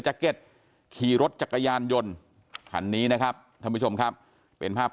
เก็ตขี่รถจักรยานยนต์คันนี้นะครับท่านผู้ชมครับเป็นภาพ